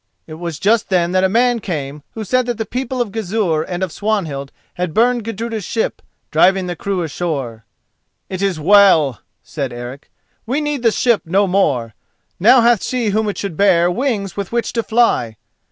It was just then that a man came who said that the people of Gizur and of Swanhild had burned Gudruda's ship, driving the crew ashore. "It is well," said Eric. "We need the ship no more; now hath she whom it should bear wings with which to fly."